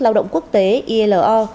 lao động quốc tế ilo